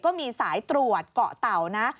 ก็มีสายตรวจเกาะเต่านะ